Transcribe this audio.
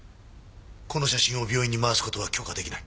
この写真を病院に回す事は許可出来ない。